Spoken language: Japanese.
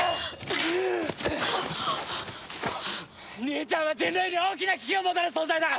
兄ちゃんは人類に大きな危機をもたらす存在だ！